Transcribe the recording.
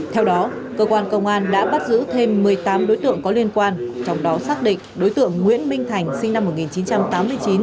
theo đó cơ quan công an đã bắt giữ thêm một mươi tám đối tượng có liên quan trong đó xác định đối tượng nguyễn minh thành sinh năm một nghìn chín trăm tám mươi chín